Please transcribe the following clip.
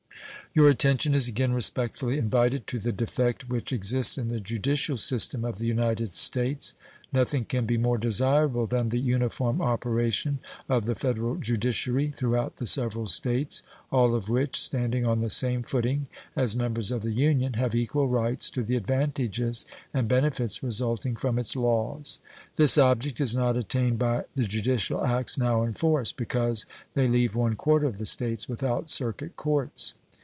Your attention is again respectfully invited to the defect which exists in the judicial system of the United States. Nothing can be more desirable than the uniform operation of the Federal judiciary throughout the several States, all of which, standing on the same footing as members of the Union, have equal rights to the advantages and benefits resulting from its laws. This object is not attained by the judicial acts now in force, because they leave one quarter of the States without circuit courts.